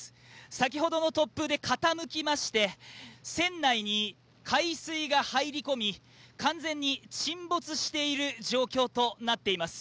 先ほどの突風で傾きまして、船内に海水が入り込み、完全に沈没している状況となっています。